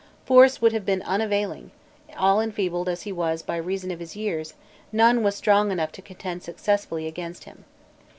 Force would have been unavailing; all enfeebled as he was by reason of his years, none was strong enough to contend successfully against him.